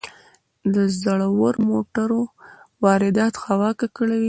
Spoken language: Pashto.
د زړو موټرو واردات هوا ککړوي.